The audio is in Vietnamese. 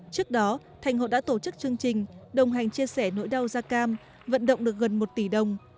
trước đó thành hội đã tổ chức chương trình đồng hành chia sẻ nỗi đau da cam vận động được gần một tỷ đồng